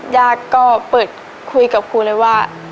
ญาติก็เปิดคุยกับครูเลยว่า